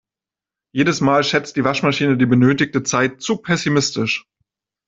Jedes Mal schätzt die Waschmaschine die benötigte Zeit zu pessimistisch.